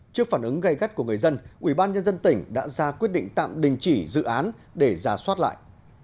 trước phản ứng gây gắt của người dân ubnd tỉnh đã ra quyết định tạm đình chỉ dự án để ra soát lại